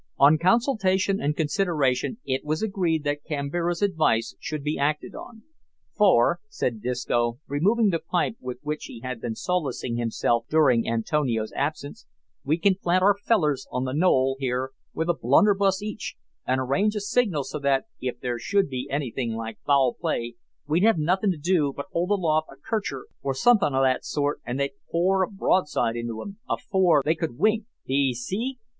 On consultation and consideration it was agreed that Kambira's advice should be acted on, "For," said Disco, removing the pipe with which he had been solacing himself during Antonio's absence, "we can plant our fellers on the knoll here with a blunderbuss each, and arrange a signal so that, if there should be anything like foul play, we'd have nothin' to do but hold aloft a kercher or suthin o' that sort, an' they'd pour a broadside into 'em afore they could wink d'ee see?"